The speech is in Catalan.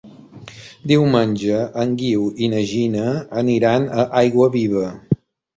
Diumenge en Guiu i na Gina aniran a Aiguaviva.